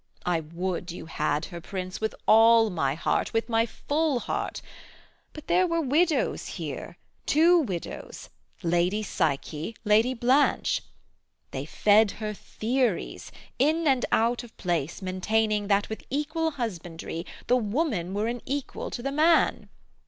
I would you had her, Prince, with all my heart, With my full heart: but there were widows here, Two widows, Lady Psyche, Lady Blanche; They fed her theories, in and out of place Maintaining that with equal husbandry The woman were an equal to the man.